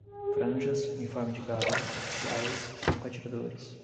Franjas, uniforme de gala, oficiais, franco-atiradores